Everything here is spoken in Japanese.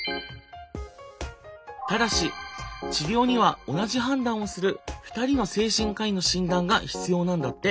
ただし治療には同じ判断をする２人の精神科医の診断が必要なんだって。